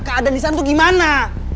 keadaan di sana tuh gimana